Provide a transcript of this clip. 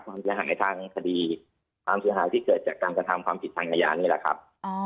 ความเสียหายในทางคดีความเสียหายที่เกิดจากการกระทำความผิดทางอาญานี่แหละครับ